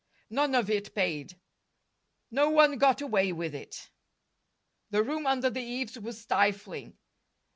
None of it paid. No one got away with it. The room under the eaves was stifling.